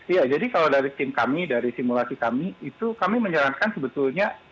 iya jadi kalau dari tim kami dari simulasi kami itu kami menyarankan sebetulnya